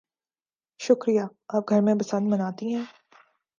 شکریہ. آپ گھر میں بسنت مناتی ہیں؟